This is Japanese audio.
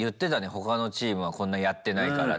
他のチームはこんなやってないからってね。